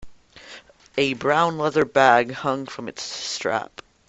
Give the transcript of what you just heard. A brown leather bag hung from its strap.